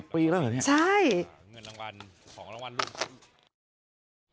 ๑๐ปีแล้วเหรอครับค่ะใช่